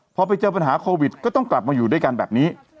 พอไปเจอปัญหาโควิดก็ต้องกลับมาอยู่ด้วยกันแบบนี้